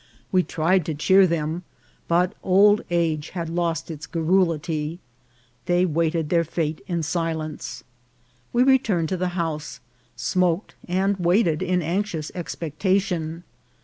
We tried to cheer them, but old age had lost its garrulity ; they waited their fate in silence. We re turned to the house, smoked, and waited in anxious expectation.